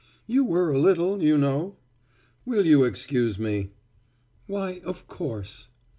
"You were a little, you know." "Will you excuse me?" "Why, of course."